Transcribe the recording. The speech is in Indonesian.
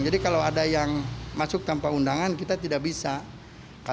jadi kalau ada yang masuk tanpa undangan kita tidak bisa